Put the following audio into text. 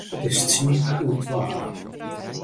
It is tsien oer twaen.